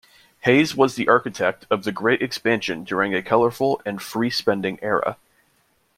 Hays was the architect of the great expansion during a colourful and free-spending era.